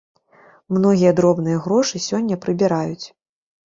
Многія дробныя грошы сёння прыбіраюць.